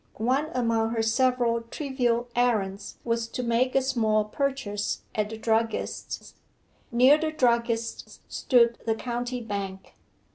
One among her several trivial errands was to make a small purchase at the druggist's. Near the druggist's stood the County Bank.